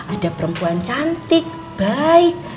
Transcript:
ada perempuan cantik baik